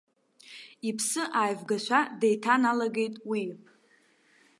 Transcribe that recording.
Иԥсы ааивгашәа деиҭаналагеит уи.